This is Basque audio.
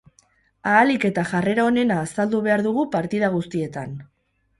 Ahalik eta jarrera onena azaldu behar dugu partida guztietan.